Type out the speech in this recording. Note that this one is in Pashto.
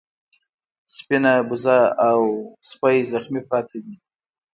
سپينه وزه او سپی زخمي پراته دي.